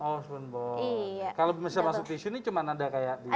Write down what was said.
oh spoon bone kalau bisa masuk tisu ini cuma ada kayak di tengah